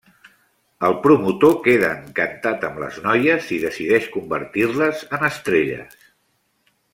El promotor queda encantat amb les noies i decideix convertir-les en estrelles.